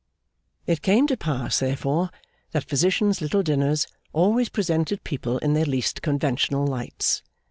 It came to pass, therefore, that Physician's little dinners always presented people in their least conventional lights.